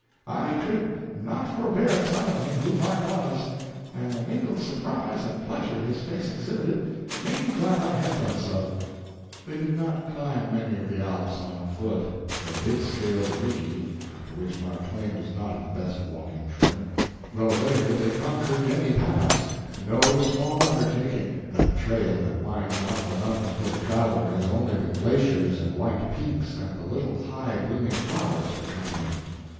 "I could not forbear telling him who Mark was, and the mingled surprise and pleasure his face exhibited made me glad I had done so." They did not climb many of the Alps on foot. They did scale the Rigi, after which Mark Twain was not in the best walking trim; though later they conquered Gemmi Pass no small undertaking that trail that winds up and up until the traveler has only the glaciers and white peaks and the little high blooming flowers for company.